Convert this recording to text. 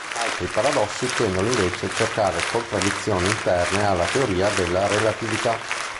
Altri paradossi tendono invece a cercare contraddizioni interne alla teoria della relatività.